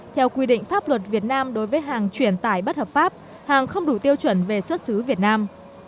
theo quy định pháp luật việt nam đối với hàng chuyển tải bất hợp pháp hàng không đủ tiêu chuẩn về xuất xứ việt nam